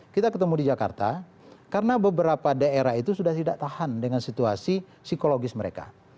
kita ketemu di jakarta karena beberapa daerah itu sudah tidak tahan dengan situasi psikologis mereka